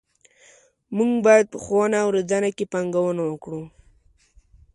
موږ باید په ښوونه او روزنه کې پانګونه وکړو.